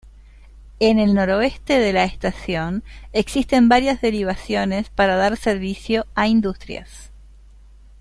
En el noreste de la estación existen varias derivaciones para dar servicio a industrias.